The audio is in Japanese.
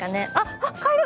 あっカエル！